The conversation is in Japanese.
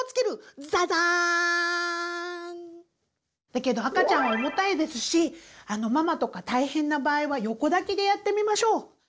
だけど赤ちゃん重たいですしママとか大変な場合は横抱きでやってみましょう。